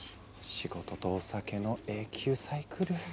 仕事とお酒の永久サイクル。